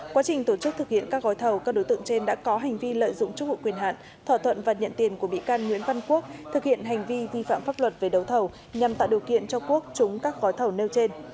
quá trình tổ chức thực hiện các gói thầu các đối tượng trên đã có hành vi lợi dụng chức vụ quyền hạn thỏa thuận và nhận tiền của bị can nguyễn văn quốc thực hiện hành vi vi phạm pháp luật về đấu thầu nhằm tạo điều kiện cho quốc chúng các gói thầu nêu trên